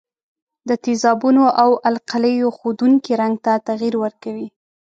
د تیزابونو او القلیو ښودونکي رنګ ته تغیر ورکوي.